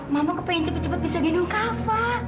mama kepengen cepet cepet bisa gendong kava